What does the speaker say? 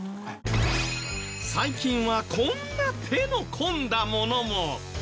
最近はこんな手の込んだものも。